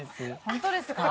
本当ですか？